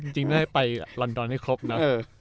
จริงแล้วให้ไปลอนดอนให้ครบนะ